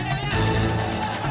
di mana dia